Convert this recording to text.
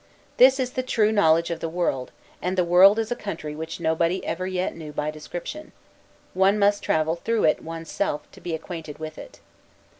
This is the true knowledge of the world; and the world is a country which nobody ever yet knew by description; one must travel through it one's self to be acquainted with it.